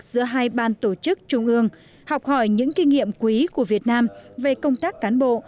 giữa hai ban tổ chức trung ương học hỏi những kinh nghiệm quý của việt nam về công tác cán bộ